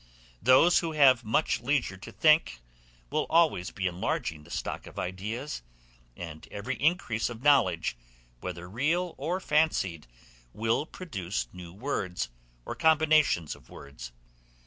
Those who have much leisure to think, will always be enlarging the stock of ideas; and every increase of knowledge, whether real or fancied, will produce new words, or combination of words.